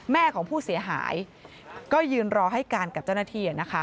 แม่ของผู้เสียหายก็ยืนรอให้การกับเจ้าหน้าที่